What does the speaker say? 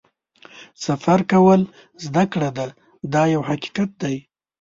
سفر کول زده کړه ده دا یو حقیقت دی.